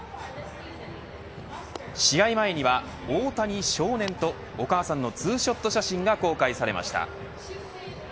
試合前には大谷少年とお母さんとのツーショット写真が公開されました。